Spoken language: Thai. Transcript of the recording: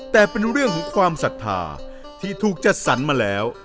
แต่เป็นเรื่องของความศรัทธาที่ถูกจัดสรรมาแล้ว